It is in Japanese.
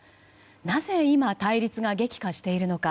なぜ今、対立が激化しているのか